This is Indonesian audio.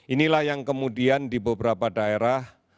inilah yang kemudian di beberapa daerah